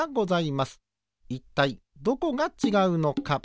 いったいどこがちがうのか。